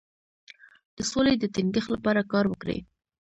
د سولې د ټینګښت لپاره کار وکړئ.